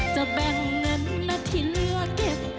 จะแบ่งเงินหน้าที่เรือเก็บ